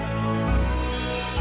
tunggu dulu pak